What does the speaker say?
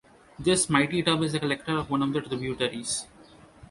This mighty tub is the collector of one of the tributaries.